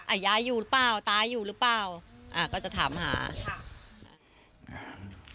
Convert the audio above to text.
ยายอยู่เปล่าตาอยู่หรือเปล่าอ่าก็จะถามหาค่ะอ่า